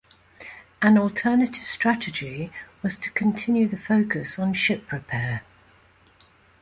An alternative strategy was to continue the focus on ship repair.